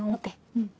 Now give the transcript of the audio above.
うん。